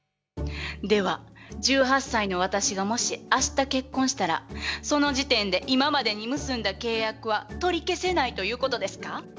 では１８歳の私がもし明日結婚したらその時点で今までに結んだ契約は取り消せないということですか？